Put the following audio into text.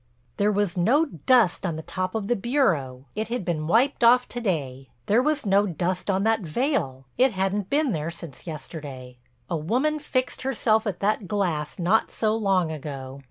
"There was no dust on the top of the bureau; it had been wiped off to day. There was no dust on that veil; it hadn't been there since yesterday. A woman fixed herself at that glass not so long ago.